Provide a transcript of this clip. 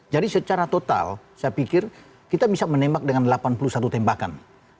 secara total saya pikir kita bisa menembak dengan delapan puluh satu tembakan